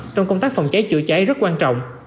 trong công tác phòng cháy chữa cháy rất quan trọng